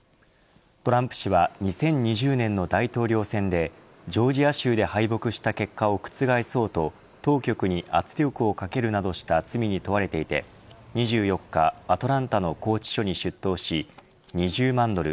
トランプ氏は２０２０年の大統領選でジョージア州で敗北した結果を覆そうと当局に圧力をかけるなどした罪に問われていて２４日アトランタの拘置所に出頭し２０万ドル